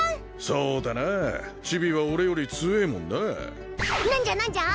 そうだなチビは俺より強えもんな何じゃ何じゃ？